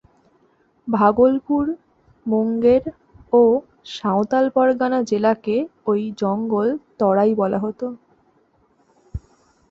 ভাগলপুর, মুঙ্গের ও সাঁওতাল পরগনা জেলাকে ওই জঙ্গল তরাই বলা হত।